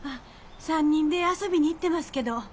３人で遊びにいってますけど。